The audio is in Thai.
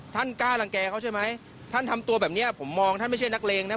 ท่านกล้ารังแก่เขาใช่ไหมท่านทำตัวแบบเนี้ยผมมองท่านไม่ใช่นักเลงนะ